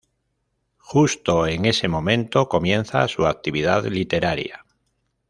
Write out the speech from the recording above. Justo en ese momento comienza su actividad literaria.